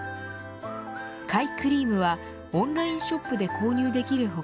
甲斐クリームはオンラインショップで購入できる他